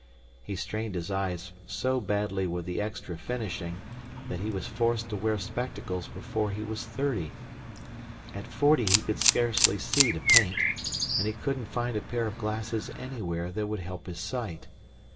He strained his eyes so badly with the extra finishing, that he was forced to wear spectacles before he was thirty. At forty he could scarcely see to paint, and he couldn't find a pair of glasses anywhere that would help his sight.